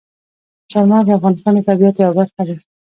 چار مغز د افغانستان د طبیعت یوه برخه ده.